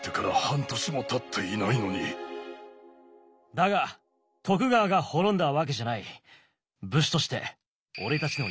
だが徳川が滅んだわけじゃない。